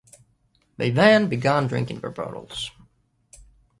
They then began drinking their bottles.